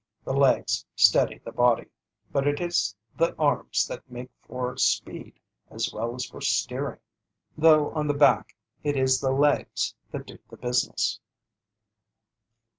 The legs steady the body, but it is the arms that make for speed as well as for steering, though on the back it is the legs that do the business.